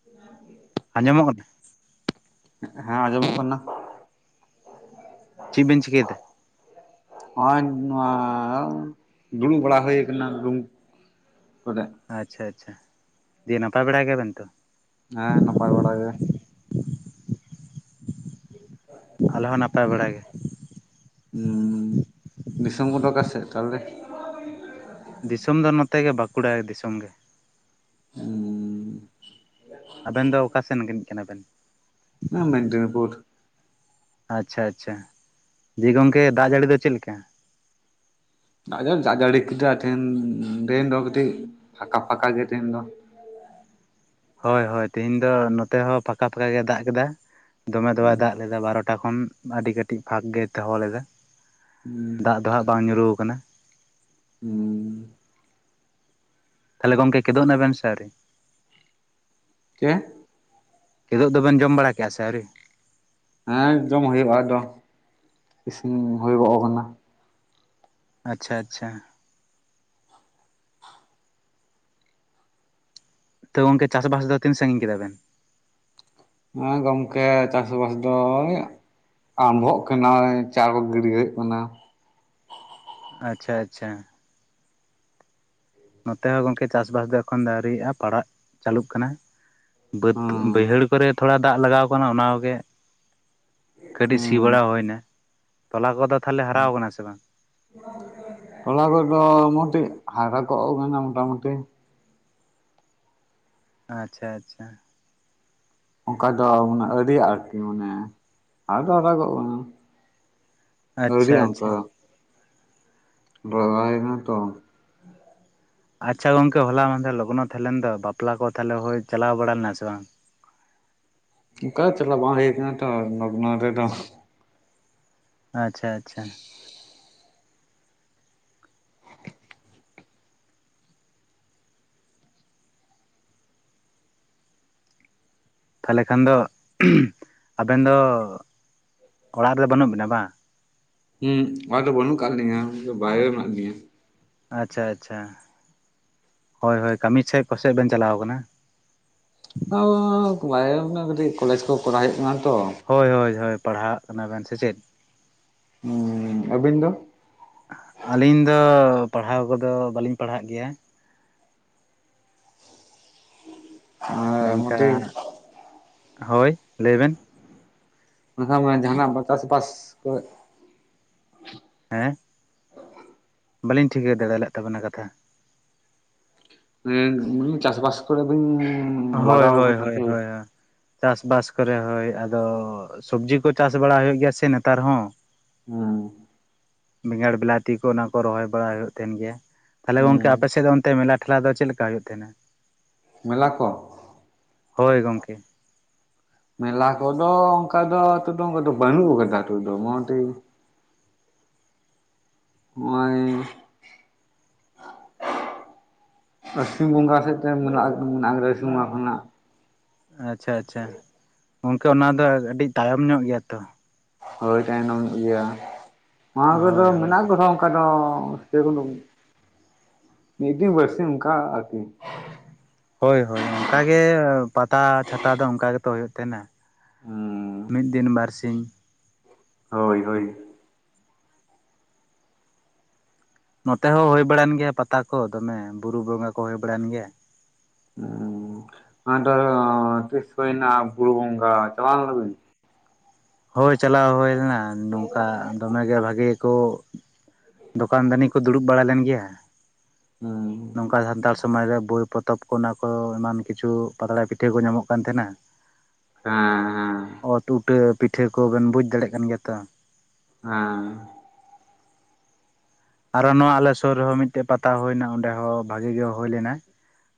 [unintelligible] ᱟᱸᱡᱚᱢᱚᱜ ᱠᱟᱱᱟ? ᱦᱮᱸ ᱟᱸᱡᱚᱢᱚᱜ ᱠᱟᱱᱟ᱾ ᱪᱮᱫ ᱵᱤᱱ ᱪᱤᱠᱟᱹᱭᱮᱫᱟ? ᱦᱚᱸᱜ-ᱚᱭ ᱱᱚᱣᱟ ᱫᱩᱲᱩᱵ ᱵᱟᱲᱟ ᱦᱩᱭ ᱠᱟᱱᱟ᱾ [unintelligible] ᱟᱪᱪᱷᱟ ᱟᱪᱪᱷᱟ ᱫᱤᱭᱮ ᱱᱟᱯᱟᱭ ᱵᱟᱲᱟ ᱜᱮᱭᱟᱵᱮᱱ ᱛᱚ? ᱦᱮᱸᱱᱟᱯᱟᱭ ᱵᱟᱲᱟ‌ ᱜᱮ ᱾ [unintelligible] ᱟᱞᱮ ᱦᱚᱸ ᱱᱟᱯᱟᱭ ᱵᱟᱲᱟᱭ ᱜᱮ ᱾ [unintelligible] ᱫᱤᱥᱚᱢ‌‌ ᱠᱚᱫᱚ ᱚᱠᱟ ᱥᱮ ᱛᱟᱦᱚᱞᱮ? ᱫᱤᱥᱚᱢ ᱫᱚ ᱱᱚᱛᱮ ᱜᱮ ᱵᱟᱸᱠᱩᱲᱟ ᱫᱤᱥᱚᱢ ᱜᱮ᱾ ᱦᱩᱸ [unintelligible] ᱟᱵᱮᱱ ᱫᱚ ᱚᱠᱟ ᱥᱮ ᱨᱤᱱᱤᱡ [unintelligible] ᱠᱟᱱᱟ ᱵᱮᱱ? ᱢᱮᱫᱱᱤᱯᱩᱨ᱾ ᱟᱪᱪᱷᱟ ᱟᱪᱪᱷᱟ, ᱫᱤᱭᱮ ᱜᱚᱝᱠᱮ ᱫᱟᱜ ᱡᱟᱹᱲᱤ ᱫᱚ ᱪᱮᱫ ᱞᱮᱠᱟ? [unintelligible] ᱫᱟᱜ ᱡᱟᱹᱲᱤ ᱠᱮᱫᱟ ᱛᱮᱦᱮᱧ ᱛᱮᱦᱮᱧ ᱫᱚ ᱠᱟᱹᱴᱤᱡ ᱯᱷᱟᱸᱠᱟ ᱯᱷᱟᱸᱠᱟ ᱜᱮ ᱛᱮᱦᱮᱧ ᱫᱚ᱾ ᱦᱳᱭ ᱦᱳᱭ ᱛᱮᱦᱮᱧ ᱫᱚ ᱱᱚᱛᱮ ᱦᱚᱸ ᱯᱷᱟᱠᱟ ᱯᱷᱟᱠᱟ ᱜᱮᱭ ᱫᱟᱜ ᱠᱮᱫᱟ ᱫᱚᱢᱮ ᱫᱚᱢᱮᱭ ᱫᱟᱜ ᱞᱮᱫᱟ ᱵᱟᱨᱚ ᱴᱟ ᱠᱷᱚᱱ ᱟᱹᱰᱤ ᱠᱟᱹᱴᱤᱡ ᱯᱷᱟᱠ ᱜᱮᱭ ᱫᱚᱦᱚ ᱞᱮᱫᱟ ᱫᱟᱜ ᱫᱚ ᱦᱟᱸᱜ ᱵᱟᱝ ᱧᱩᱨᱩ ᱠᱟᱱᱟ᱾ ᱦᱩᱸ ᱛᱟᱦᱚᱞᱮ ᱜᱚᱝᱠᱮ ᱠᱮᱫᱚᱜ ᱱᱟ ᱵᱮᱱ ᱥᱮ ᱟᱹᱣᱨᱤ? ᱪᱮᱫ ᱠᱮᱫᱳᱜ ᱫᱚ ᱵᱮᱱ ᱡᱚᱢ ᱵᱟᱲᱟ ᱠᱮᱜᱼᱟ ᱥᱮ ᱟᱹᱣᱨᱤ? ᱦᱮᱸ ᱡᱚᱢ ᱦᱩᱭᱩᱜᱼᱟ᱾ ᱟᱫᱚ ᱤᱥᱤᱱ ᱦᱳᱭ-ᱜᱚᱜ ᱠᱟᱱᱟ᱾ ᱟᱪᱪᱷᱟ ᱟᱪᱪᱷᱟ, ᱛᱳ ᱜᱚᱝᱠᱮ ᱪᱟᱥ-ᱵᱟᱥ ᱫᱚ ᱛᱤᱱ ᱥᱟᱹᱜᱤᱧ ᱠᱮᱫᱟ ᱵᱮᱱ? ᱮᱸ ᱜᱚᱜᱠᱮ ᱪᱟᱥ ᱵᱟᱥ ᱫᱚ ᱟᱢᱵᱷᱚᱜ ᱠᱟᱱᱟ ᱪᱟ ᱜᱤᱰᱤ ᱦᱳᱭᱳᱜ ᱠᱟᱱᱟ᱾ ᱟᱪᱪᱷᱟ ᱟᱪᱪᱷᱟ, ᱱᱚᱛᱮ ᱦᱚᱸ ᱜᱚᱝᱠᱮ ᱪᱟᱥ-ᱵᱟᱥ ᱫᱚ ᱮᱠᱷᱚᱱ ᱟᱹᱣᱨᱤᱜᱼᱟ ᱯᱟᱲᱟᱜ ᱪᱟᱹᱞᱩᱜ ᱠᱟᱱᱟ᱾ ᱵᱟᱹᱫᱽ ᱦᱩᱸ ᱵᱟᱹᱭᱦᱟᱹᱲ ᱠᱚᱨᱮ ᱛᱷᱚᱲᱟ ᱫᱟᱜ ᱞᱟᱜᱟᱣ ᱠᱟᱱᱟ ᱚᱱᱟ ᱠᱚ ᱜᱮ ᱠᱟᱹᱴᱤᱡ ᱥᱤ ᱦᱩᱸ ᱵᱟᱲᱟ ᱦᱩᱭᱱᱟ᱾ᱛᱚᱞᱟ ᱠᱚᱫᱚ ᱛᱟᱦᱚᱞᱮ ᱦᱟᱨᱟᱣ ᱠᱟᱱᱟ ᱥᱮ ᱵᱟᱝ? ᱛᱚᱞᱟ ᱠᱚᱫᱚ ᱢᱚᱴᱤᱡ ᱦᱟᱨᱟ ᱠᱚᱜ ᱠᱟᱱᱟ ᱢᱚᱴᱟᱢᱩᱴᱤ᱾ ᱟᱪᱪᱷᱟ ᱟᱪᱪᱷᱟ, ᱚᱝᱠᱟ ᱫᱚ ᱢᱟᱱᱮ ᱟᱹᱣᱨᱤ ᱟᱨᱠᱤ ᱢᱟᱱᱮ ᱦᱟᱨᱟ ᱫᱚ ᱦᱟᱨᱟᱜᱚᱜ ᱠᱟᱱᱟ᱾ ᱟᱹᱣᱨᱤ ᱟᱪᱪᱷᱟ ᱚᱝᱠᱟ ᱟᱪᱪᱷᱟ ᱫᱚ [unintelligible] ᱟᱪᱪᱷᱟ ᱜᱚᱝᱠᱮ ᱦᱚᱞᱟ ᱢᱟᱦᱫᱮᱨ ᱞᱚᱜᱱᱚ ᱛᱟᱦᱮᱸ ᱞᱮᱱ ᱫᱚ, ᱵᱟᱯᱞᱟ ᱠᱚ ᱛᱟᱦᱚᱞᱮ ᱦᱚᱭ ᱪᱟᱞᱟᱣ ᱵᱟᱲᱟ ᱞᱮᱱᱟ ᱥᱮ ᱵᱟᱝ? ᱚᱝᱠᱟ ᱫᱚ ᱪᱟᱞᱟᱜ ᱵᱟᱝ ᱦᱳᱭ ᱠᱟᱱᱟ ᱛᱚ ᱞᱚᱜᱱᱚ ᱨᱮᱫᱚ᱾ ᱟᱪᱪᱷᱟ ᱟᱪᱪᱷᱟ, ᱛᱟᱦᱚᱞᱮ ᱠᱷᱟᱱ ᱫᱚ, ᱟᱵᱮᱱ ᱫᱚ ᱚᱲᱟᱜ ᱨᱮ ᱵᱟᱹᱱᱩᱜ ᱵᱮᱱᱟ ᱵᱟᱝ? ᱦᱩᱸ ᱚᱲᱟᱜ ᱨᱮᱫᱚ ᱵᱟᱹᱱᱩᱜ ᱟᱠᱟᱫ ᱞᱤᱧᱟᱹ ᱵᱟᱭᱨᱮ ᱢᱮᱱᱟᱜ ᱞᱤᱧᱟᱹ᱾ ᱟᱪᱪᱷᱟ ᱟᱪᱪᱷᱟ, ᱦᱳᱭ ᱦᱳᱭ ᱠᱟᱹᱢᱤ ᱫᱮᱜ ᱯᱟᱥᱮᱜ ᱵᱮᱱ ᱪᱟᱞᱟᱣ ᱟᱠᱟᱱᱟ? [unintelligible] ᱠᱟᱹᱴᱤᱡ ᱠᱚᱞᱮᱡᱽ ᱠᱚ ᱠᱚᱨᱟᱣ ᱦᱩᱭᱩᱜ ᱠᱟᱱᱟ ᱛᱚ᱾ ᱦᱳᱭ ᱦᱳᱭ ᱦᱳᱭ ᱯᱟᱲᱦᱟᱜ ᱠᱟᱱᱟ ᱵᱮᱱ ᱥᱮ ᱪᱮᱫ? ᱩᱸᱸ ᱟᱹᱵᱤᱱ ᱫᱚ? ᱟᱹᱞᱤᱧ ᱫᱚ ᱯᱟᱲᱦᱟᱣ ᱠᱚᱫᱚ ᱵᱟᱹᱞᱤᱧ ᱯᱟᱲᱦᱟᱜ ᱜᱮᱭᱟ᱾ ᱱᱤᱝᱠᱟ ᱢᱚᱴᱤ ᱦᱳᱭ, ᱞᱟᱹᱭ ᱵᱮᱱ? [unintelligible] ᱡᱟᱦᱟᱸᱱᱟᱜ ᱵᱟ [unintelligible] ᱥᱮ ᱵᱟᱥ ᱠᱚ ᱦᱮᱸ, ᱵᱟᱹᱞᱤᱧ ᱴᱷᱤᱠᱟᱹ ᱫᱟᱲᱮ ᱞᱮᱜ ᱛᱟᱵᱮᱱᱟ ᱠᱟᱛᱷᱟ᱾ ᱦᱩᱸ ᱪᱟᱥ-ᱵᱟᱥ ᱠᱚᱨᱮ ᱫᱚᱧ, ᱦᱳᱭ ᱦᱳᱭ ᱦᱳᱭ ᱦᱳᱭ, ᱪᱟᱥ-ᱵᱟᱥ ᱠᱚᱨᱮ ᱦᱳᱭ, ᱟᱫᱚ ᱥᱚᱵᱽᱡᱤ ᱠᱚ ᱪᱟᱥ ᱵᱟᱲᱟ ᱦᱩᱭᱩᱜ ᱜᱮᱭᱟ ᱥᱮ ᱱᱮᱛᱟᱨ ᱦᱚᱸ᱾ ᱦᱩᱸ ᱵᱮᱸᱜᱟᱲ ᱵᱮᱞᱟᱹᱛᱤ ᱠᱚ ᱚᱱᱟ ᱠᱚ ᱨᱚᱦᱚᱭ ᱵᱟᱲᱟ ᱦᱩᱭᱩᱜ ᱛᱟᱦᱮᱸᱱ ᱜᱮ᱾ ᱛᱟᱦᱚᱞᱮ ᱦᱩᱸ ᱜᱚᱝᱠᱮ ᱟᱯᱮ ᱥᱮᱫ ᱫᱚ ᱚᱱᱛᱮ ᱢᱮᱞᱟ ᱴᱷᱮᱞᱟ ᱫᱚ ᱪᱮᱫ ᱞᱮᱠᱟ ᱦᱩᱭᱩᱜ ᱛᱟᱦᱮᱸᱱᱟ? ᱢᱮᱞᱟ ᱠᱚ᱾ ᱦᱳᱭ ᱜᱚᱝᱠᱮ᱾ ᱢᱮᱞᱟ ᱠᱚᱫᱚ ᱚᱱᱠᱟ ᱫᱚ ᱟᱫᱚ ᱵᱟᱹᱱᱩᱜ ᱠᱟᱫᱟ ᱱᱤᱛᱟᱹᱜ ᱫᱚ᱾ ᱱᱚᱜᱼᱚᱭ ᱟᱥᱤᱱ ᱵᱚᱸᱜᱟ ᱥᱮᱫᱛᱮ [unintelligible] ᱠᱷᱚᱱᱟᱜ᱾ ᱟᱪᱪᱷᱟ ᱟᱪᱪᱷᱟ, ᱜᱚᱝᱠᱮ ᱚᱱᱟ ᱫᱚ ᱟᱹᱰᱤ ᱛᱟᱭᱚᱢ ᱧᱚᱜ ᱜᱮᱭᱟ ᱛᱚ᱾ ᱦᱳᱭ ᱛᱟᱭᱱᱚᱢ ᱧᱚᱜ ᱜᱮᱭᱟ ᱱᱚᱣᱟ ᱠᱚᱫᱚ ᱦᱳᱭ ᱦᱳᱭ ᱢᱮᱱᱟᱜ ᱨᱮᱦᱚ ᱚᱱᱠᱟ ᱫᱚ [unintelligible] ᱢᱤᱫ ᱫᱤᱱ ᱵᱟᱨᱥᱤ ᱚᱱᱠᱟ ᱟᱨᱠᱤ᱾ ᱦᱳᱭ ᱦᱳᱭ ᱚᱱᱠᱟ ᱜᱮ ᱯᱟᱛᱟ ᱪᱷᱟᱛᱟ ᱫᱚ ᱚᱱᱠᱟ ᱜᱮᱛᱚ ᱦᱩᱭᱩᱜ ᱛᱟᱦᱮᱸᱱᱟ᱾ ᱦᱩᱸ᱾ ᱢᱤᱫ ᱫᱤᱱ ᱵᱟᱨ ᱥᱤᱧ᱾ ᱦᱳᱭ ᱦᱳᱭ᱾ ᱱᱚᱛᱮ ᱦᱚᱸ ᱦᱩᱭ ᱵᱟᱲᱟᱭᱮᱱ ᱜᱮᱭᱟ ᱯᱟᱛᱟ ᱠᱚ ᱫᱚᱢᱮ ᱵᱩᱨᱩ ᱵᱚᱸᱜᱟ ᱠᱚ ᱦᱩᱭ ᱵᱟᱲᱟᱭᱮᱱ ᱜᱮᱭᱟ᱾ ᱚᱻ ᱟᱫᱚ ᱛᱤᱥ ᱦᱩᱭᱱᱟ ᱵᱩᱨᱩ ᱵᱚᱝᱜᱟ ᱪᱟᱞᱟᱣ ᱞᱮᱱᱟᱵᱤᱱ? ᱦᱳᱭ ᱪᱟᱞᱟᱣ ᱦᱳᱭ ᱞᱮᱱᱟ ᱱᱚᱝᱠᱟ ᱫᱚᱢᱮ ᱜᱮ ᱵᱷᱟᱜᱮ ᱠᱚ ᱫᱚᱠᱟᱱ ᱫᱟᱱᱤ ᱠᱚ ᱫᱩᱲᱩᱵ ᱵᱟᱲᱟ ᱞᱮᱱ ᱜᱮᱭᱟ᱾ ᱱᱚᱝᱠᱟ ᱥᱟᱱᱛᱟᱲ ᱥᱚ ᱥᱚᱢᱟᱡ ᱨᱮ ᱵᱳᱭ ᱯᱚᱛᱚᱵ ᱠᱚ ᱚᱱᱟ ᱠᱚ ᱮᱢᱟᱱ ᱠᱤᱪᱷᱩ ᱯᱟᱛᱲᱟ ᱯᱤᱴᱷᱟᱹ ᱠᱚ ᱧᱟᱢᱚᱜ ᱠᱟᱱ ᱛᱟᱦᱮᱱᱟ᱾ ᱦᱮᱸ᱾ ᱚᱛ ᱩᱴᱟᱹ ᱯᱤᱴᱷᱟᱹ ᱠᱚᱵᱮᱱ ᱵᱩᱡᱽ ᱫᱟᱲᱮᱭᱟᱜ ᱠᱟᱱ ᱜᱮᱭᱟ ᱛᱚ᱾ ᱦᱟᱸ᱾ ᱟᱨᱚ ᱱᱚᱣᱟ ᱟᱞᱮ ᱥᱩᱨ ᱨᱮᱦᱚᱸ ᱢᱤᱫᱽᱴᱮᱡ ᱯᱟᱛᱟ ᱦᱩᱭᱱᱟ ᱚᱸᱰᱮ ᱦᱚᱸ ᱵᱷᱟᱜᱤ ᱜᱮ ᱦᱩᱭ ᱞᱮᱱᱟ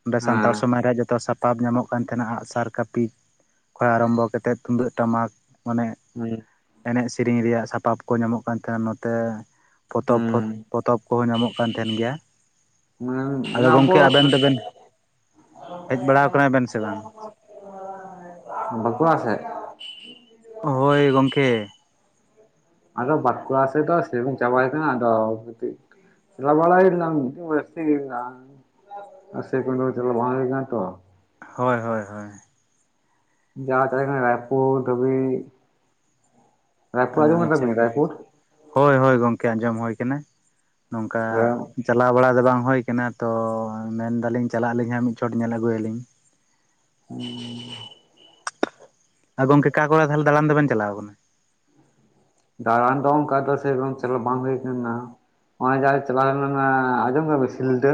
ᱚᱸᱰᱮ ᱥᱟᱱᱛᱟᱲ ᱦᱮᱸ ᱥᱚᱢᱟᱡ ᱨᱮᱱᱟᱜ ᱡᱚᱛᱚ ᱥᱟᱯᱟᱵ ᱧᱟᱢᱚᱜ ᱠᱟᱱ ᱛᱟᱦᱮᱱᱟ ᱟᱜᱼᱥᱟᱨ ᱠᱟᱹᱯᱤ ᱠᱷᱚᱭ ᱟᱨᱚᱢᱵᱚ ᱠᱟᱛᱮᱫ ᱛᱩᱢᱫᱟᱹᱜ ᱴᱟᱢᱟᱠ᱾ ᱚᱱᱮ ᱦᱳᱭ᱾ ᱮᱱᱮᱡ ᱥᱮᱨᱮᱧ ᱨᱮᱭᱟᱜ ᱥᱟᱯᱟᱯ ᱠᱚ ᱧᱟᱢᱚᱜ ᱠᱟᱱ ᱛᱟᱦᱮᱱᱟ ᱱᱚᱛᱮ ᱯᱚᱛᱚᱵ ᱯᱚ ᱦᱩᱸ ᱯᱚᱛᱚᱵ ᱠᱚᱦᱚᱸ ᱧᱟᱢᱚᱜ ᱠᱟᱱ ᱛᱟᱦᱮᱱ ᱜᱮᱭᱟ᱾ ᱦᱩᱸ ᱟᱫᱚ ᱟᱵᱚ ᱜᱚᱝᱠᱮ ᱟᱵᱮᱱ ᱫᱚᱵᱮᱱ ᱦᱮᱡ ᱵᱟᱲᱟ ᱠᱟᱱᱟ ᱵᱮᱱ ᱥᱮ ᱵᱟᱝ? [unintelligible] ᱵᱟᱠᱩᱲᱟ ᱥᱮᱫ? ᱦᱳᱭ ᱜᱚᱝᱠᱮ᱾ ᱟᱫᱚ ᱵᱟᱠᱩᱲᱟ ᱥᱮᱡ ᱫᱚ ᱥᱮᱨᱚᱠᱚᱢ ᱪᱟᱜ ᱵᱟᱭ ᱦᱳᱭ ᱠᱟᱱᱟ ᱟᱫᱚ ᱠᱟᱴᱤᱡ [unintelligible] ᱥᱮ ᱨᱚᱠᱚᱢ ᱫᱚ ᱪᱟᱞᱟᱣ ᱵᱟᱝ ᱦᱳᱭ ᱠᱟᱱᱟ ᱛᱚ᱾ ᱦᱳᱭ ᱦᱳᱭ ᱦᱳᱭ᱾ ᱡᱟ ᱪᱟᱞᱟᱣ ᱦᱳᱭ ᱠᱟᱱᱟ ᱨᱟᱭᱯᱩᱨ ᱫᱷᱟᱵᱤᱡ, ᱨᱟᱭᱯᱩᱨ ᱟᱡᱚᱢ ᱟᱪᱪᱷᱟ ᱠᱟᱫᱟᱵᱤᱱ ᱟᱪᱪᱷᱟ ᱨᱟᱭᱯᱩᱨ? ᱦᱳᱭ ᱦᱳᱭ ᱜᱚᱝᱠᱮ ᱟᱸᱡᱚᱢ ᱦᱳᱭ ᱠᱟᱱᱟ ᱱᱚᱝᱠᱟ ᱪᱟᱞᱟᱣ ᱵᱟᱲᱟ ᱫᱚ ᱵᱟᱝ ᱦᱩᱭ ᱠᱟᱱᱟ ᱛᱚ ᱢᱮᱱᱫᱟᱞᱤᱧ ᱪᱟᱞᱟᱜ ᱟᱹᱞᱤᱧ ᱦᱟᱸᱜ ᱢᱤᱫ ᱪᱷᱚᱴ ᱧᱮᱞ ᱟᱹᱜᱩᱭᱟᱞᱤᱧ᱾ [unintelligible] ᱟᱨ ᱜᱚᱝᱠᱮ ᱚᱠᱟ ᱠᱚᱨᱮ ᱛᱟᱦᱞᱮ ᱫᱟᱲᱟᱱ ᱫᱚᱵᱮᱱ ᱪᱟᱞᱟᱣ ᱠᱟᱱᱟ? ᱫᱟᱲᱟᱱ ᱫᱚ ᱚᱱᱠᱟ ᱫᱚ ᱥᱮᱨᱚᱢ ᱪᱟᱞᱟᱣ ᱵᱟᱝ ᱦᱩᱭ ᱠᱟᱱᱟ᱾ ᱚᱜᱚᱭ ᱡᱟᱦᱟ ᱪᱟᱞᱟᱣ ᱦᱳᱭ ᱞᱮᱱᱟ ᱟᱡᱚᱢ ᱫᱟᱵᱤᱱ ᱥᱤᱞᱫᱟᱹ?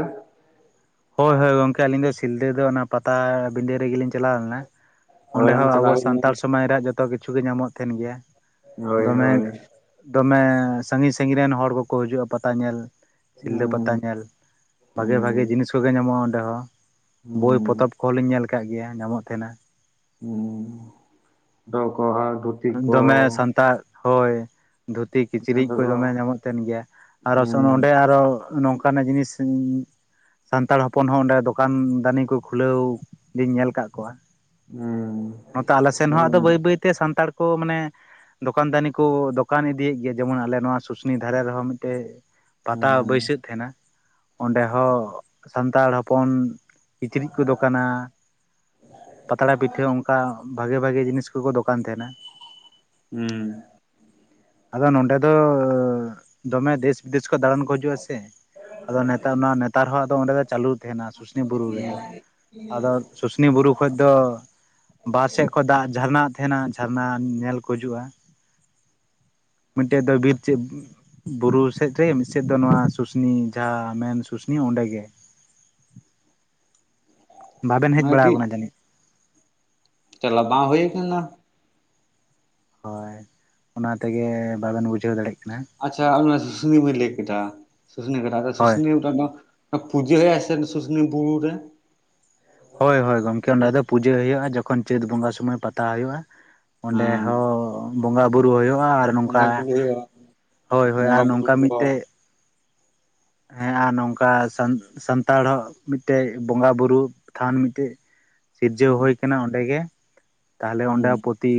ᱦᱳᱭ ᱦᱳᱭ ᱜᱚᱝᱠᱮ ᱟᱹᱞᱤᱧ ᱫᱚ ᱥᱤᱞᱫᱟᱹ ᱫᱚ ᱚᱱᱟ ᱯᱟᱛᱟᱵᱤᱸᱰᱟᱹ ᱨᱮᱜᱮᱞᱤᱧ ᱪᱟᱞᱟᱣ ᱞᱮᱱᱟ᱾ ᱚᱸᱰᱮ ᱦᱳᱭ ᱦᱚᱸ ᱟᱵᱚ ᱪᱟᱞᱟᱣ ᱦᱩᱭ ᱥᱟᱱᱛᱟᱲ ᱞᱮᱱᱟ᱾ ᱥᱚᱢᱟᱡᱽ ᱨᱮᱭᱟᱜ ᱡᱚᱛᱚ ᱠᱤᱪᱷᱩ ᱜᱮ ᱧᱟᱢᱚᱜ ᱛᱟᱦᱮᱱ ᱜᱮᱭᱟ ᱦᱳᱭ ᱫᱚᱢᱮ ᱦᱳᱭ ᱫᱚᱢᱮ ᱥᱟᱹᱜᱤᱧ ᱥᱟᱹᱜᱤᱧ ᱨᱮᱱ ᱦᱚᱲ ᱠᱚᱠᱚ ᱦᱤᱡᱩᱜᱼᱟ ᱯᱟᱛᱟ ᱧᱮᱞ ᱦᱩᱸ ᱥᱤᱞᱫᱟᱹ ᱯᱟᱛᱟ ᱛᱟ ᱧᱮᱞ ᱵᱷᱟᱜᱮ ᱵᱷᱟᱜᱮ ᱦᱩᱸ ᱡᱤᱱᱤᱥ ᱠᱚᱜᱮ ᱧᱟᱢᱚᱜᱼᱟ ᱚᱸᱰᱮ ᱦᱚᱸ᱾ ᱵᱳᱭ, ᱦᱩᱸ ᱯᱚᱛᱚᱵ᱾ ᱠᱚᱦᱚᱞᱤᱧ ᱧᱮᱞ ᱠᱟᱜ ᱜᱮᱭᱟ ᱧᱟᱢᱚᱜ ᱛᱟᱦᱮᱱᱟ᱾ [unintelligible] ᱫᱚᱢᱮ ᱥᱟᱱᱛᱟᱲ ᱦᱳᱭ᱾ ᱫᱷᱩᱛᱤ ᱦᱩᱸ ᱠᱤᱪᱨᱤᱡ ᱠᱚ ᱫᱚᱢᱮ ᱧᱟᱢᱚᱜ ᱛᱟᱦᱮᱱ ᱜᱮᱭᱟ᱾ ᱟᱨᱚ ᱥᱚ ᱱᱚᱸᱰᱮ ᱟᱨᱚ ᱱᱚᱝ ᱠᱟᱱᱟᱜ ᱡᱤᱱᱤᱥ ᱤᱧ ᱥᱟᱱᱛᱟᱲ ᱦᱚᱯᱚᱱ ᱦᱚᱸ ᱚᱸᱰᱮ ᱫᱚᱠᱟᱱ ᱫᱟᱱᱤ ᱠᱚ ᱠᱷᱩᱞᱟᱹᱣ ᱞᱤᱧ ᱧᱮᱞ ᱟᱠᱟᱫ ᱠᱚᱣᱟ᱾ ᱦᱩᱸ ᱱᱚᱛᱮ ᱟᱞᱮ ᱥᱮᱱ ᱦᱚᱸ ᱟᱫᱚ ᱦᱩᱸ ᱵᱟᱹᱭ ᱵᱟᱹᱭᱛᱮ ᱥᱟᱱᱛᱟᱲ ᱠᱚ ᱢᱟᱱᱮ ᱫᱚᱠᱟᱱ ᱫᱟᱱᱤ ᱠᱚ ᱫᱚᱠᱟᱱ ᱤᱫᱤᱭᱮᱫ ᱜᱮᱭᱟ᱾ ᱡᱮᱢᱚᱱ ᱟᱞᱮ ᱱᱚᱣᱟ ᱥᱩᱥᱱᱤ ᱫᱷᱟᱨᱮ ᱨᱮᱦᱚᱸ ᱢᱤᱫᱴᱮᱡ ᱯᱟᱛᱟ ᱦᱩᱸ ᱵᱟᱹᱭᱥᱟᱹᱜ ᱛᱟᱦᱮᱱᱟ ᱚᱸᱰᱮ ᱦᱚᱸ ᱥᱟᱱᱛᱟᱲ ᱦᱚᱯᱚᱱ ᱠᱤᱪᱨᱤᱡ ᱠᱚ ᱫᱚᱠᱟᱱᱟ᱾ ᱯᱟᱛᱲᱟ ᱯᱤᱴᱷᱟᱹ ᱚᱱᱠᱟ ᱵᱷᱟᱜᱮ ᱵᱷᱟᱜᱮ ᱡᱤᱱᱤᱥ ᱛᱩ ᱠᱚ ᱫᱚᱠᱟᱱ ᱛᱟᱦᱮᱱᱟ᱾ ᱦᱩᱸ᱾ ᱟᱫᱚ ᱱᱚᱰᱮ ᱫᱚ ᱫᱚᱢᱮ ᱫᱮᱥ ᱵᱤᱫᱮᱥ ᱠᱷᱚᱡ ᱫᱟᱬᱟᱱ ᱠᱚ ᱦᱤᱡᱩᱜ-ᱟ ᱥᱮ᱾ ᱟᱫᱚ ᱱᱮᱛᱟᱨ ᱚᱱᱟ ᱱᱮᱛᱟᱨ ᱦᱚᱸᱫᱚ ᱚᱸᱰᱮ ᱫᱚ ᱪᱟᱹᱞᱩ ᱛᱟᱦᱮᱱᱟ ᱥᱩᱥᱱᱤ ᱵᱩᱨᱩ ᱨᱮᱫᱚ᱾ ᱢᱟᱱᱮ ᱟᱫᱚ ᱥᱩᱥᱱᱤ ᱵᱩᱨᱩ ᱠᱷᱚᱡ ᱫᱚ ᱵᱟᱨ ᱥᱮᱫ ᱠᱷᱚᱡ ᱫᱟᱜ ᱡᱷᱟᱨᱱᱟᱜ ᱛᱟᱦᱮᱸᱱᱟ ᱡᱷᱟᱨᱱᱟ ᱧᱮᱞ ᱠᱚ ᱦᱤᱡᱩᱜ-ᱟ᱾ ᱢᱤᱫᱴᱮᱡ ᱫᱚᱭ ᱵᱤᱨ ᱪᱮᱫ ᱵᱩᱨᱩ ᱥᱮᱫ ᱨᱮ ᱢᱤᱫᱥᱮᱫ ᱫᱚ ᱱᱚᱣᱟ ᱥᱩᱥᱱᱤ ᱡᱟᱦᱟᱸ ᱢᱮᱱ ᱥᱩᱥᱱᱤ ᱚᱸᱰᱮ ᱜᱮ᱾ ᱵᱟᱵᱮᱱ ᱦᱮᱡ ᱵᱟᱲᱟᱣ ᱟᱹᱰᱤ ᱠᱟᱱᱟ ᱡᱟᱹᱱᱤᱡ᱾ ᱪᱟᱞᱟᱣ ᱵᱟᱝ ᱦᱳᱭ ᱠᱟᱱᱟ᱾ ᱦᱳᱭ ᱚᱱᱟ ᱛᱮᱜᱮ ᱵᱟᱵᱮᱱ ᱵᱩᱡᱷᱟᱹᱣ ᱫᱟᱲᱮᱜ ᱠᱟᱱᱟ᱾ ᱟᱪᱪᱷᱟ ᱚᱱᱟ ᱥᱩᱥᱱᱤ ᱵᱤᱱ ᱞᱟᱹᱭ ᱠᱮᱫᱟ ᱥᱩᱥᱱᱤ ᱜᱟᱰᱟ ᱟᱫᱚ ᱦᱳᱭ ᱥᱩᱥᱱᱤ [unintelligible] ᱫᱚ ᱟ ᱯᱩᱡᱟᱹ ᱦᱳᱭᱳᱜ-ᱟ ᱥᱮ ᱥᱩᱥᱱᱤ ᱵᱩᱨᱩ ᱨᱮ? ᱦᱳᱭ ᱦᱳᱭ ᱜᱚᱢᱠᱮ ᱚᱸᱰᱮ ᱫᱚ ᱯᱩᱡᱟᱹ ᱦᱳᱭᱳᱜ-ᱟ᱾ ᱡᱚᱠᱷᱚᱱ ᱪᱟᱹᱛ ᱵᱚᱸᱜᱟ ᱥᱚᱢᱚᱭ ᱯᱟᱛᱟ ᱦᱳᱭᱳᱜ-ᱟ᱾ ᱚᱸᱰᱮ ᱦᱮᱸ ᱦᱚᱸ ᱵᱚᱸᱜᱟ ᱵᱩᱨᱩ ᱦᱳᱭᱳᱜ-ᱟ ᱟᱨ ᱱᱚᱝᱠᱟ ᱵᱚᱸᱜᱟ ᱵᱩᱨᱩ ᱦᱩᱭᱩᱜᱼᱟ ᱦᱳᱭ ᱦᱳᱭ ᱵᱚᱸᱜᱟ ᱟᱨ ᱵᱩᱨᱩ ᱱᱚᱝᱠᱟ ᱠᱚ ᱢᱤᱫᱴᱮᱡ ᱦᱮᱸ ᱟᱨ ᱱᱚᱝᱠᱟ ᱥᱟᱱ-ᱥᱟᱱᱛᱟᱲ ᱦᱚᱸ ᱢᱤᱫᱴᱮᱡ ᱵᱚᱸᱜᱟ ᱵᱩᱨᱩ ᱛᱷᱟᱱ ᱢᱤᱫᱴᱮᱡ ᱥᱤᱨᱡᱟᱹᱣ ᱦᱩᱸ ᱦᱳᱭ ᱠᱟᱱᱟ ᱚᱸᱰᱮ ᱜᱮ᱾ ᱛᱟᱦᱚᱞᱮ ᱚᱸᱰᱮ ᱦᱩᱸ ᱯᱚᱛᱤ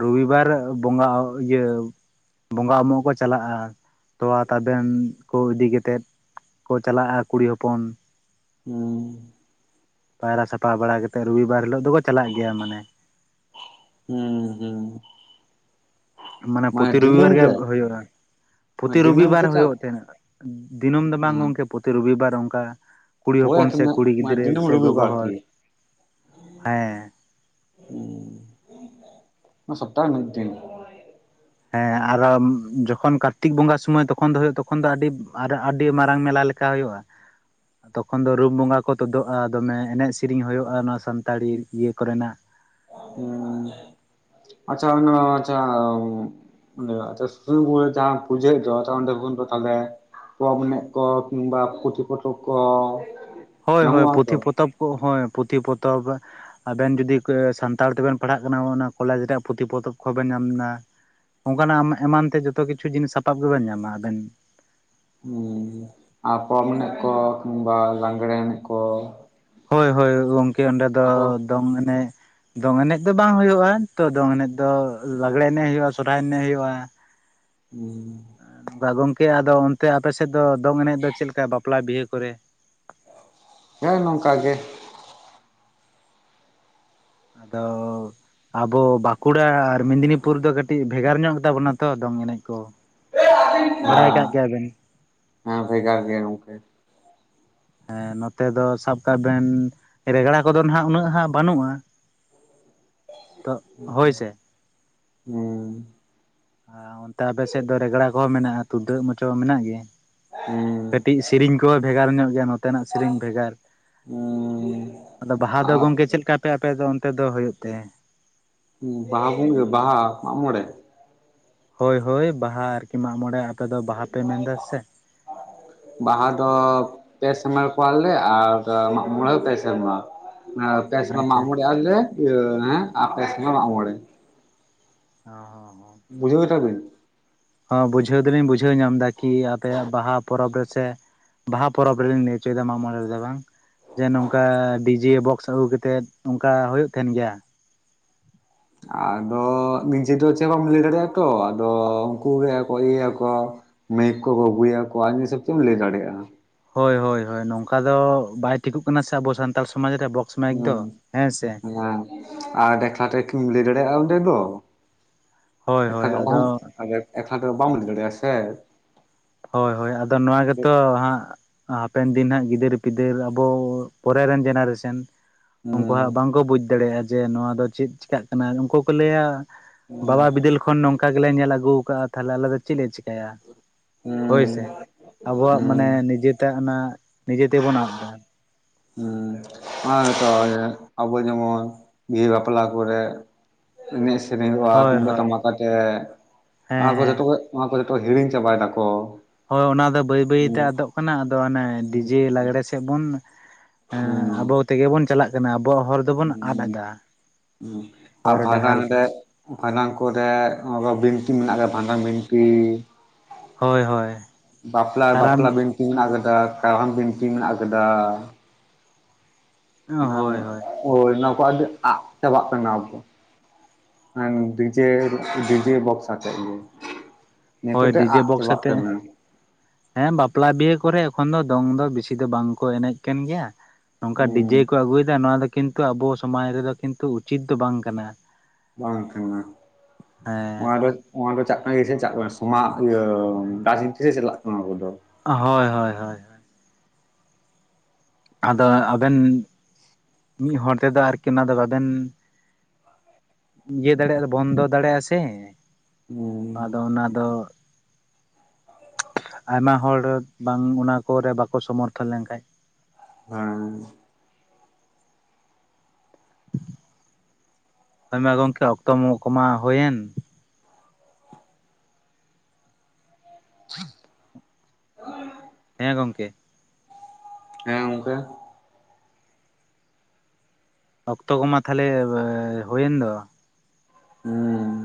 ᱨᱚᱵᱤᱵᱟᱨ ᱵᱚᱸᱜᱟ ᱤᱭᱟᱹ ᱵᱚᱸᱜᱟ ᱩᱢᱚᱜ ᱠᱚ ᱪᱟᱞᱟᱜ-ᱟ᱾ ᱛᱚᱣᱟ ᱛᱟᱵᱮᱱ ᱠᱚ ᱤᱫᱤ ᱠᱟᱛᱮᱫ᱾ ᱠᱚ ᱪᱟᱞᱟᱜ-ᱟ ᱠᱩᱲᱤ ᱦᱚᱯᱚᱱ ᱦᱩᱸ᱾ ᱯᱟᱭᱨᱟ ᱥᱟᱯᱷᱟ ᱵᱟᱲᱟ ᱠᱟᱛᱮᱫ ᱨᱚᱵᱤᱵᱟᱨ ᱦᱤᱞᱳᱜ ᱫᱚᱠᱚ ᱪᱟᱞᱟᱜ ᱜᱮᱭᱟ ᱢᱟᱱᱮ᱾ ᱦᱩᱸ ᱦᱩᱸ᱾ ᱢᱟᱱᱮ ᱯᱨᱚᱛᱤ ᱨᱚᱵᱤᱵᱟᱨ ᱜᱮ ᱦᱩᱭᱩᱜ-ᱟ᱾ ᱯᱨᱚᱛᱤ ᱢᱟᱱᱮ ᱫᱤᱱᱟᱹᱢ ᱨᱚᱵᱤᱵᱟᱨ ᱜᱮ ᱪᱟᱜ ᱦᱩᱭᱩᱜ ᱛᱟᱦᱮᱸᱱᱟ᱾ ᱫᱤᱱᱟᱹᱢ ᱫᱚ ᱵᱟᱝ ᱦᱮᱸ ᱜᱚᱝᱠᱮ ᱯᱨᱚᱛᱤ ᱨᱚᱵᱤᱵᱟᱨ ᱚᱱᱠᱟ ᱠᱩᱲᱤ ᱳᱭ ᱦᱚᱯᱚᱱ ᱟᱨᱠᱤ ᱥᱮ ᱠᱩᱲᱤ ᱢᱟᱱᱮ ᱜᱤᱫᱽᱨᱟᱹ ᱫᱤᱱᱟᱹᱢ ᱥᱮ ᱜᱚᱜᱚ ᱨᱚᱵᱤᱵᱟᱨ ᱦᱚᱲ ᱟᱨᱠᱤ ᱦᱮᱸ᱾ ᱦᱩᱸ ᱚᱱᱟ ᱥᱚᱯᱛᱟ ᱨᱮ ᱢᱤᱫ ᱫᱤᱱ᱾ ᱦᱮᱸ ᱟᱨᱚ ᱡᱚᱠᱷᱚᱱ ᱠᱟᱨᱛᱤᱠ ᱵᱚᱸᱜᱟ ᱥᱳᱢᱟᱹᱭ ᱛᱚᱠᱷᱚᱱ ᱫᱚ ᱦᱳᱭᱳᱜ ᱛᱚᱠᱷᱚᱱ ᱫᱚ ᱟᱹᱰᱤ ᱥᱨ ᱟᱹᱰᱤ ᱢᱟᱨᱟᱝ ᱢᱮᱞᱟ ᱞᱮᱠᱟ ᱦᱳᱭᱳᱜ-ᱟ᱾ ᱛᱚᱠᱷᱚᱱ ᱫᱚ ᱨᱩᱢ ᱵᱚᱸᱜᱟ ᱠᱚ ᱛᱳᱫᱳᱜ-ᱟ ᱫᱚᱢᱮ᱾ ᱮᱱᱮᱡ ᱥᱮᱨᱤᱧ ᱦᱩᱭᱩᱜ-ᱟ ᱱᱚᱣᱟ ᱥᱟᱱ ᱛᱟᱲᱤ ᱤᱭᱟᱹ ᱠᱚᱨᱮᱱᱟᱜ᱾ ᱦᱩᱸ ᱟᱪᱪᱷᱟ ᱚᱱᱟ ᱟᱪᱪᱷᱟ᱾ ᱚᱸᱰᱮ ᱮᱛᱮ ᱥᱩᱥᱱᱤ ᱵᱩᱨᱩ ᱨᱮ ᱡᱟᱦᱟᱸ ᱯᱩᱡᱟᱹ ᱦᱩᱭᱩᱜ ᱫᱚ ᱛᱚᱠᱷᱚᱱ ᱚᱸᱰᱮ [unintelligible] ᱛᱟᱦᱞᱮ ᱯᱚᱨᱚᱵᱽ ᱮᱱᱮᱡ ᱠᱚ ᱠᱤᱝᱵᱟ ᱯᱩᱛᱷᱤ ᱯᱚᱛᱚᱵ ᱠᱚ᱾ ᱦᱳᱭ ᱦᱳᱭ ᱧᱟᱢᱚᱜᱼᱟ ᱛᱚ? ᱯᱩᱛᱷᱤ ᱯᱚᱛᱚᱵ ᱠᱚ ᱦᱳᱭ ᱯᱩᱛᱷᱤ ᱯᱚᱛᱚᱵ ᱟᱵᱮᱱ ᱡᱩᱫᱤ ᱥᱟᱱᱛᱟᱲ ᱛᱮᱵᱮᱱ ᱯᱟᱲᱦᱟᱜ ᱠᱟᱱᱟ ᱠᱚᱞᱮᱡᱽ ᱨᱮᱭᱟᱜ ᱯᱩᱛᱷᱤ ᱯᱚᱛᱚᱵ ᱵᱮᱱ ᱧᱟᱢᱫᱟ᱾ ᱚᱱᱠᱟᱱᱟᱜ ᱮᱢᱟᱱ ᱛᱮ ᱡᱚᱛᱚ ᱠᱤᱪᱷᱩ ᱡᱤᱱᱤᱥ ᱥᱟᱯᱟᱵ ᱜᱮᱵᱮᱱ ᱧᱟᱢᱟ ᱟᱵᱮᱱ? ᱦᱩᱸ ᱟᱨ ᱯᱚᱨᱚᱢ ᱮᱱᱮᱡ ᱠᱚ ᱠᱤᱢᱵᱟ ᱞᱟᱸᱜᱽᱬᱮ ᱮᱱᱮᱡ ᱠᱚ, ᱦᱳᱭ ᱦᱳᱭ ᱜᱚᱝᱠᱮ ᱚᱸᱰᱮ ᱫᱚ ᱚᱱᱟ ᱠᱚ ᱫᱚᱝ ᱮᱱᱮᱡ, ᱫᱚᱝ ᱮᱱᱮᱡ ᱫᱚ ᱵᱟᱝ ᱦᱳᱭᱳᱜᱼᱟ ᱛᱚ ᱫᱚᱝ ᱮᱱᱮᱡ ᱫᱚ ᱞᱟᱜᱽᱲᱮ ᱮᱱᱮᱡ ᱦᱳᱭᱳᱜᱼᱟ ᱥᱚᱨᱦᱟᱭ ᱮᱱᱮᱡ ᱦᱳᱭᱳᱜᱼᱟ᱾ [inaudible] ᱦᱩᱸ, ᱚᱱᱠᱟ ᱜᱚᱝᱠᱮ ᱟᱫᱚ ᱚᱱᱛᱮ ᱟᱯᱮᱥᱮᱫ ᱫᱚᱝ ᱮᱱᱮᱡ ᱫᱚ ᱪᱮᱫ ᱞᱮᱠᱟ ᱵᱟᱯᱞᱟ ᱵᱤᱦᱟᱹ ᱠᱚᱨᱮ? ᱦᱮᱸ ᱱᱚᱝᱠᱟ ᱜᱮ᱾ ᱟᱫᱚ ᱟᱵᱚ ᱵᱟᱸᱠᱩᱲᱟ ᱟᱨ ᱢᱮᱫᱽᱱᱤᱯᱩᱨ ᱫᱚ ᱠᱟᱹᱴᱤᱡ ᱵᱷᱮᱜᱟᱨ ᱧᱚᱜ ᱜᱮᱛᱟ ᱵᱚᱱᱟ ᱛᱚ ᱫᱚᱝ ᱮᱱᱮᱡ ᱠᱚ᱾ ᱵᱟᱲᱟᱭ ᱠᱟᱜ ᱜᱮᱭᱟ ᱵᱮᱱ [unintelligible] ᱦᱮᱸ ᱵᱷᱮᱜᱟᱨ ᱜᱮᱭᱟ ᱜᱚᱝᱠᱮ᱾ ᱦᱮᱸ ᱱᱚᱛᱮ ᱫᱚ ᱥᱟᱵ ᱠᱟᱜ ᱵᱮᱱ ᱨᱮᱜᱽᱲᱟ ᱠᱚᱫᱚ ᱱᱟᱦᱟᱜ ᱩᱱᱟᱹᱜ ᱦᱟᱸᱜ ᱵᱟᱹᱱᱩᱜ-ᱟ ᱾ ᱦᱳᱭ ᱥᱮ ᱦᱩᱸ, ᱟᱨ ᱚᱱᱛᱮ ᱟᱯᱮᱥᱮᱫ ᱫᱚ ᱨᱮᱜᱽᱲᱟ ᱠᱚᱦᱚᱸ ᱢᱮᱱᱟᱜ-ᱟ ᱛᱩᱫᱟᱹᱜ ᱢᱟᱪᱚ ᱢᱮᱱᱟᱜ ᱜᱮᱭᱟ ᱦᱩᱸ ᱠᱟᱹᱴᱤᱡ ᱥᱮᱨᱤᱧ ᱠᱚᱦᱚᱸ ᱵᱷᱮᱜᱟᱨ ᱧᱚᱜ ᱜᱮᱭᱟ ᱱᱚᱛᱮᱱᱟᱜ ᱥᱮᱤᱨᱤᱧ ᱵᱷᱮᱜᱟᱨ ᱦᱩᱸ ᱟᱫᱚ ᱵᱟᱦᱟ ᱫᱚ ᱟᱨ ᱜᱚᱢᱠᱮ ᱪᱮᱫ ᱞᱮᱠᱟ ᱯᱮ ᱟᱯᱮ ᱫᱚ ᱚᱱᱛᱮ ᱫᱚ ᱦᱩᱭᱩᱜ ᱛᱮ? ᱵᱟᱦᱟ ᱵᱚ ᱵᱟᱦᱟ ᱢᱟᱜ-ᱢᱚᱲᱮ, ᱦᱳᱭ ᱦᱳᱭ ᱵᱟᱦᱟ ᱟᱨᱠᱤ ᱢᱟᱜᱢᱚᱬᱮ ᱟᱯᱮᱫᱚ ᱵᱟᱦᱟ ᱯᱮ ᱢᱮᱱ ᱮᱫᱟ ᱥᱮ? ᱵᱟᱦᱟ ᱫᱚ ᱯᱮ ᱥᱮᱨᱢᱟ ᱠᱚᱣᱟᱞᱮ ᱟᱨ ᱢᱟᱜ ᱢᱚᱬᱮ ᱯᱮ ᱥᱮᱢᱨᱟ᱾ ᱯᱮᱥ ᱥᱮᱢᱟ ᱟᱪᱪᱷᱟ ᱢᱟᱜ-ᱢᱚᱬᱮ ᱟᱞᱮ ᱤᱭᱟ ᱦᱮᱸ ᱟᱯᱮ ᱥᱮᱢᱟ ᱢᱟᱜ-ᱢᱚᱬᱮ᱾ ᱦᱚ ᱦᱚ ᱦᱚ, ᱵᱩᱡᱷᱟᱹᱣ ᱠᱮᱫᱟ ᱵᱤᱱ? ᱦᱚᱸ ᱵᱩᱡᱷᱟᱹᱣ ᱫᱚᱞᱤᱧ ᱵᱩᱡᱷᱟᱹᱣ ᱧᱟᱢ ᱫᱟ ᱠᱤ ᱟᱯᱮᱭᱟᱜ ᱵᱟᱦᱟ ᱯᱚᱨᱚᱵᱽ ᱨᱮᱥᱮ ᱵᱟᱦᱟ ᱯᱚᱨᱚᱵᱽ ᱨᱮᱞᱤᱧ ᱞᱟᱹᱭ ᱦᱚᱪᱚᱭᱮᱫᱟ ᱢᱟᱜ ᱢᱚᱬᱮ ᱨᱮᱫᱚ ᱵᱟᱝ᱾ ᱡᱮ ᱱᱚᱝᱠᱟ ᱰᱤᱡᱮ ᱵᱚᱠᱥ ᱟᱹᱜᱩ ᱠᱟᱛᱮᱜ ᱱᱚᱝᱠᱟ ᱦᱳᱭᱳᱜ ᱛᱟᱦᱮᱱ ᱜᱮᱭᱟ? ᱟᱫᱚ ᱱᱤᱡᱮ ᱫᱚ ᱪᱮᱫ ᱦᱚ ᱵᱟᱢ ᱞᱟᱹᱭ ᱫᱟᱲᱮᱭᱟᱜ-ᱟ ᱛᱚ ᱟᱫᱚ ᱩᱱᱠᱩ ᱜᱮ ᱤᱭᱟᱹᱭᱟᱠᱚ᱾ ᱢᱟᱹᱭᱤᱠ ᱠᱚ ᱟᱹᱜᱩᱭᱟᱠᱚ ᱟᱡ ᱦᱤᱥᱟᱹᱵ ᱪᱮᱫ ᱮᱢ ᱞᱟᱹᱭ ᱫᱟᱲᱮᱭᱟᱜ-ᱟ᱾ ᱦᱳᱭ ᱦᱳᱭ ᱦᱳᱭ ᱱᱚᱝᱠᱟ ᱫᱚ ᱵᱟᱭ ᱴᱷᱤᱠᱚᱜ ᱠᱟᱱᱟ ᱥᱮ ᱟᱵᱚ ᱥᱟᱱᱛᱟᱲ ᱥᱚᱢᱟᱡᱽ ᱨᱮ ᱵᱚᱠ ᱦᱮᱸ ᱦᱮᱸ ᱟᱨ ᱮᱠᱞᱟ ᱛᱮᱠᱤᱢ ᱞᱟᱹᱭ ᱫᱟᱲᱮᱭᱟᱜ-ᱟ ᱚᱸᱰᱮ ᱫᱚ᱾ ᱦᱳᱭ ᱮᱠᱷᱟ ᱦᱳᱭ ᱛᱮᱫᱚ ᱚᱦᱚᱢ, ᱟᱫᱚ ᱮᱠᱞᱟ ᱛᱮᱫᱚ ᱵᱟᱢ ᱞᱟᱹᱭ ᱫᱟᱲᱮᱭᱟᱜ-ᱟᱥᱮ᱾ ᱦᱳᱭ ᱦᱳᱭ ᱟᱫᱚ ᱱᱚᱣᱟ ᱜᱮᱛᱚ ᱦᱟᱸᱜ ᱦᱟᱯᱮᱱ ᱫᱤᱱ ᱦᱟᱸᱜ ᱜᱤᱫᱟᱹᱨ ᱯᱤᱫᱟᱹᱨ ᱟᱵᱚ ᱯᱚᱨᱮᱨᱮᱱ ᱡᱮᱱᱟᱨᱮᱥᱮᱱ ᱩᱱᱠᱩ ᱦᱟᱸᱜ ᱦᱩᱸ ᱵᱟᱝᱠᱚ ᱵᱩᱡ ᱫᱟᱲᱮᱭᱟᱜ-ᱟ ᱡᱮ ᱱᱚᱣᱟ ᱫᱚ ᱪᱮᱫ ᱪᱮᱤᱠᱟᱹᱜ ᱠᱟᱱᱟ ᱩᱱᱠᱩ ᱠᱚ ᱞᱟᱹᱭᱟ ᱵᱟᱵᱟ ᱵᱤᱫᱟᱹᱞ ᱠᱷᱚᱱ ᱱᱚᱝᱠᱟ ᱜᱮᱞᱮ ᱧᱮᱞ ᱟᱜᱩᱠᱟᱟᱜ-ᱟ ᱛᱟᱞᱦᱮ ᱟᱞᱮ ᱫᱚ ᱪᱮᱫ ᱞᱮ ᱪᱮᱠᱟᱹᱭᱟ? ᱦᱳᱭ ᱦᱩᱸ ᱥᱮ ᱟᱵᱚᱣᱟᱜ ᱦᱩᱸ ᱢᱟᱱᱮ ᱱᱤᱡᱮᱛᱮ ᱚᱱᱟ ᱱᱤᱡᱮ ᱛᱮᱵᱚᱱ ᱟᱫᱽ ᱫᱟ᱾ ᱦᱮᱸ ᱚᱱᱟ ᱜᱮᱛᱚ ᱟᱵᱚ ᱡᱮᱢᱚᱱ ᱵᱤᱦᱟᱹ ᱵᱟᱯᱞᱟ ᱠᱚᱨᱮᱜ ᱮᱱᱮᱡ ᱥᱮᱨᱮᱧ ᱦᱩᱭᱩᱜ-ᱟ ᱦᱳᱭ ᱛᱩᱢᱫᱟᱜ ᱦᱳᱭ ᱴᱟᱢᱟᱠ ᱟᱛᱮ ᱦᱮᱸ ᱚᱱᱟ ᱠᱚ ᱦᱮᱸ ᱡᱚᱛᱚ ᱠᱷᱚᱡ ᱱᱚᱣᱟ ᱠᱚ ᱡᱚᱛᱚ ᱦᱤᱲᱤᱧ ᱪᱟᱵᱟᱭ ᱫᱟᱠᱚ᱾ ᱦᱳᱭ ᱚᱱᱟ ᱫᱚ ᱵᱟᱹᱭ ᱵᱟᱹᱭᱛᱮ ᱦᱩᱸ ᱟᱫᱚᱜ ᱠᱟᱱᱟ ᱟᱫᱚ ᱚᱱᱮ ᱰᱤᱡᱮ ᱞᱟᱜᱽᱲᱮ ᱥᱮᱫ ᱵᱚᱱ ᱦᱮᱸ ᱦᱩᱸ ᱟᱵᱚ ᱛᱮᱜᱮ ᱵᱚᱱ ᱪᱟᱞᱟᱜ ᱠᱟᱱᱟ ᱟᱵᱚᱣᱟᱜ ᱦᱚᱨ ᱫᱚᱵᱚᱱ ᱟᱫᱽ ᱦᱩᱸ ᱫᱟ᱾ ᱟᱨ ᱵᱷᱟᱰᱟᱱ ᱨᱮ ᱵᱷᱟᱸᱰᱟᱱ ᱠᱚᱨᱮ ᱟᱵᱚᱭᱟᱜ ᱵᱤᱱᱛᱤ ᱢᱮᱱᱟᱜ ᱠᱟᱜ-ᱟ ᱵᱷᱟᱸᱰᱟᱱ ᱵᱤᱱᱛᱤ᱾ ᱦᱳᱭ ᱦᱳᱭ᱾ ᱵᱟᱯᱞᱟ ᱠᱟᱨᱟᱢ ᱵᱟᱯᱞᱟ ᱵᱤᱱᱛᱤ ᱢᱮᱱᱟᱜ ᱠᱟᱫᱟ ᱠᱟᱨᱟᱢ ᱵᱤᱱᱛᱤ ᱢᱮᱱᱟᱜ ᱠᱟᱫᱟ᱾ ᱦᱮᱸ ᱦᱳᱭ ᱦᱳᱭ ᱳᱭ ᱚᱱᱟ ᱠᱚ ᱟᱹᱰᱤ ᱟᱜ ᱪᱟᱵᱟᱜ ᱠᱟᱱᱟ ᱟᱵᱚ᱾ ᱦᱮᱸ ᱰᱤᱡᱮᱞ ᱰᱤᱡᱮ ᱵᱚᱠᱥ ᱟᱛᱮᱜ ᱜᱮ ᱱᱤᱭᱟᱹ ᱦᱳᱭ ᱠᱚᱛᱮ ᱰᱤᱡᱮ ᱟᱜ ᱵᱚᱠᱥ ᱪᱟᱵᱟᱜ ᱟᱛᱮ ᱠᱟᱱᱟ ᱾ ᱦᱮᱸ ᱵᱟᱯᱞᱟ ᱵᱤᱦᱟᱹ ᱠᱚᱨᱮ ᱮᱠᱷᱚᱱ ᱫᱚ ᱫᱚᱝ ᱫᱚ ᱵᱤᱥᱤ ᱫᱚ ᱵᱟᱝ ᱠᱚ ᱮᱱᱮᱡ ᱠᱟᱱ ᱜᱮᱭᱟ ᱱᱚᱝᱠᱟ ᱰᱤᱡᱮ ᱦᱩᱸ ᱠᱚ ᱟᱹᱜᱩᱭᱫᱟ ᱱᱚᱣᱟ ᱫᱚ ᱠᱤᱱᱛᱩ ᱟᱵᱚ ᱥᱚᱢᱟᱡᱽ ᱨᱮᱫᱚ ᱠᱤᱱᱛᱩ ᱩᱪᱤᱛ ᱫᱚ ᱵᱟᱝ ᱠᱟᱱᱟ ᱾ ᱵᱟᱝ ᱠᱟᱱᱟ ᱦᱮᱸ ᱚᱱᱟ ᱫᱚ ᱚᱱᱟ ᱫᱚ ᱪᱟᱜ ᱠᱟᱱᱟ ᱪᱟᱜ ᱠᱟᱱᱟ ᱥᱚᱢᱟ ᱤᱭᱟᱹ ᱨᱟᱡᱽᱱᱤᱛᱤ ᱥᱮ ᱪᱟᱞᱟᱜ ᱠᱟᱱᱟ ᱚᱱᱟ ᱠᱚᱫᱚ᱾ ᱦᱳᱭ ᱦᱳᱭ ᱦᱳᱭ ᱟᱫᱚ ᱟᱵᱮᱱ ᱢᱤᱫ ᱦᱚᱲ ᱛᱮᱫᱚ ᱟᱨᱠᱤ ᱚᱱᱟ ᱫᱚ ᱵᱟᱵᱮᱱ ᱤᱭᱟᱹ ᱫᱟᱲᱮᱜ-ᱟ ᱵᱚᱱᱫᱚ ᱫᱟᱲᱮᱜ-ᱟ ᱥᱮ ᱾ ᱟᱫᱚ ᱦᱩᱸ ᱚᱱᱟ ᱫᱚ ᱟᱭᱢᱟ ᱦᱚᱲ ᱵᱟᱝ ᱚᱱᱟ ᱠᱚᱨᱮ ᱵᱟᱠᱚ ᱥᱚᱢᱚᱨᱛᱷᱚᱱ ᱞᱮᱱᱠᱷᱟᱡ ᱾ ᱦᱮᱸ ᱦᱮᱸ ᱢᱟ ᱜᱚᱝᱠᱮ ᱚᱠᱛᱚ ᱠᱚᱢᱟ ᱦᱳᱭᱮᱱ [inaudible] ᱦᱮᱸ ᱜᱚᱝᱠᱮ ᱾ ᱦᱮᱸ ᱜᱚᱝᱠᱮ᱾ ᱚᱠᱛᱚ ᱠᱚᱢᱟ ᱛᱟᱦᱟᱞᱮ ᱦᱳᱭᱮᱱ ᱫᱚ ᱦᱩᱸ